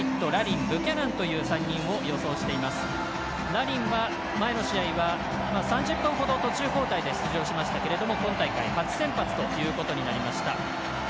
ラリンは前の試合は３０分ほどで途中交代で出場しましたけども今大会、初先発ということになりました。